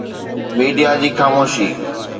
media جي خاموشي